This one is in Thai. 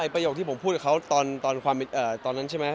ประโยคที่ผมพูดกับเขาตอนนั้นใช่ไหม